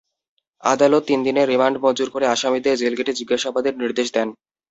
আদালত তিন দিনের রিমান্ড মঞ্জুর করে আসামিদের জেলগেটে জিজ্ঞাসাবাদের নির্দেশ দেন।